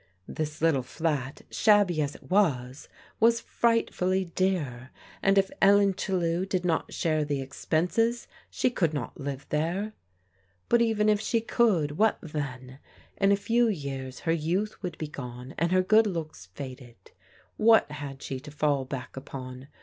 This little flat, shabby as it was, was frightfully dear, and if Ellen Chellew did not share the expenses she could not live there. But even if she could, what then? In a few years her youth would be gone, and her good looks faded. What had she to fall back upon?